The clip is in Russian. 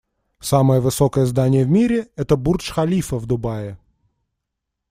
Самое высокое здание в мире - это Бурдж Халифа в Дубае.